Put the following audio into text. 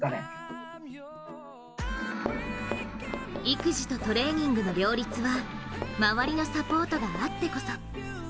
育児とトレーニングの両立は周りのサポートがあってこそ。